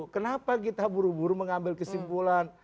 kenapa kita buru buru mengambil kesimpulan